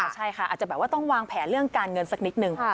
ใช่ค่ะอาจจะแบบว่าต้องวางแผนเรื่องการเงินสักนิดนึง